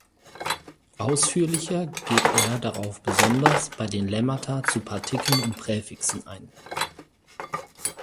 Ausführlicher geht er darauf besonders bei den Lemmata zu Partikeln und Präfixen ein.